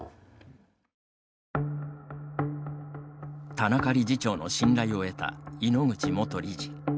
田中理事長の信頼を得た井ノ口元理事。